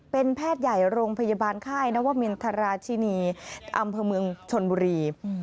เป็นแพทย์ใหญ่โรงพยาบาลค่ายนวมินทราชินีอำเภอเมืองชนบุรี